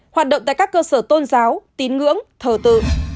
hoạt động tại các cơ sở tôn giáo tín ngưỡng thờ tự